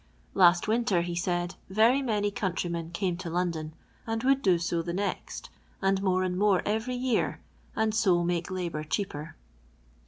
Last winter, lie said, very many countrymen came to London, and would do so the next, and more and more every year, and so make labour cheaper.